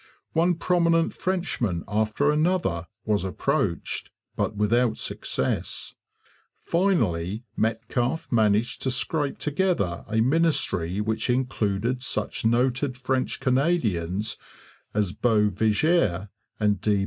One prominent Frenchman after another was 'approached,' but without success. Finally Metcalfe managed to scrape together a ministry which included such noted French Canadians as 'Beau' Viger and D.